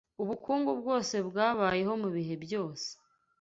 ubukungu bwose bwabayeho mu bihe byose